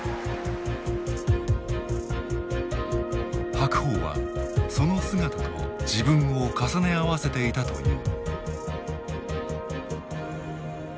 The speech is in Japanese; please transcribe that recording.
白鵬はその姿と自分を重ね合わせていたという。